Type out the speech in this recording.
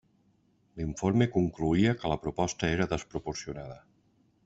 L'informe concloïa que la proposta era desproporcionada.